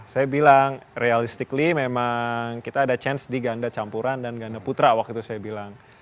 saya bilang realistically memang kita ada chance di ganda campuran dan ganda putra waktu itu saya bilang